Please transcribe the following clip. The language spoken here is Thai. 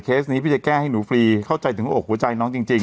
นี้พี่จะแก้ให้หนูฟรีเข้าใจถึงหัวอกหัวใจน้องจริง